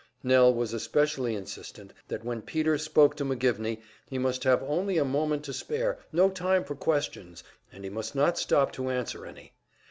Nell was especially insistent that when Peter spoke to McGivney he must have only a moment to spare, no time for questions, and he must not stop to answer any.